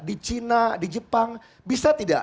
di china di jepang bisa tidak